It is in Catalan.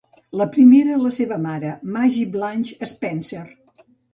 La primera era la seva mare Maggie Blanche Spencer.